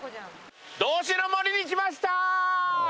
道志の森に来ました！